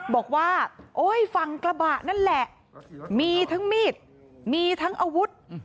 บอกว่าโอ้ยฝั่งกระบะนั่นแหละมีทั้งมีดมีทั้งอาวุธ